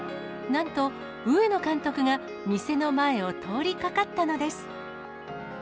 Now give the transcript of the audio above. なんと、上野監督が店の前を通りかかったのです。